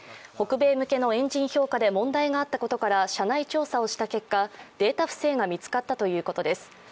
北米向けのエンジン評価で問題があったことから社内調査をした結果、データ不正が見つかったということです。